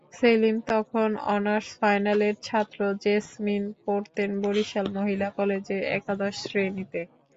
সেলিম তখন অনার্স ফাইনালের ছাত্র, জেসমিন পড়তেন বরিশাল মহিলা কলেজে একাদশ শ্রেণিতে।